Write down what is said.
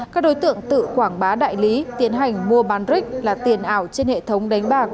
các đối tượng tự quảng bá đại lý tiến hành mua bán rick là tiền ảo trên hệ thống đánh bạc